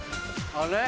あれ？